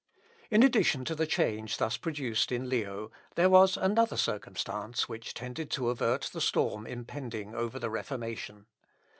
In addition to the change thus produced in Leo, there was another circumstance which tended to avert the storm impending over the Reformation.